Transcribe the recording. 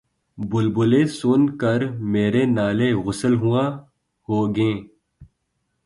بلبلیں سن کر میرے نالے‘ غزلخواں ہو گئیں